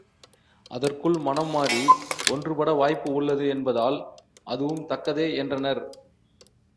அதற்குள் மனம் மாறி ஒன்றுபட வாய்ப்பு உள்ளது என்பதால் அதுவும் தக்கதே என்றனர்.